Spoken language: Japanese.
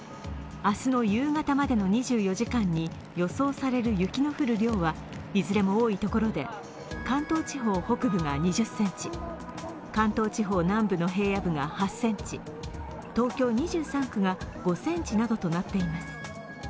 明日の夕方までの２４時間に予想される雪の降る量はいずれも多い所で関東地方北部が２０ｃｍ、関東地方南部の平野部が８ｃｍ、東京２３区が５ｃｍなどとなっています